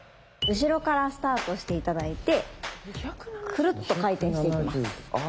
後ろからスタートして頂いてくるっと回転していきます。